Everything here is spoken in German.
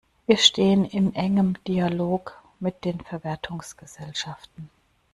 Wir stehen in engem Dialog mit den Verwertungsgesellschaften.